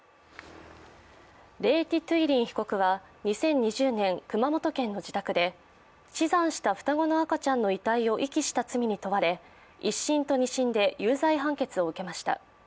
レー・ティ・トゥイ・リン被告は２０２０年、熊本県の自宅で死産した双子の赤ちゃんの遺体を遺棄した罪に問われ、１審と２審で有罪判決を受けました。